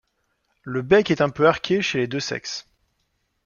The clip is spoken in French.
Le bec est un peu arqué chez les deux sexes.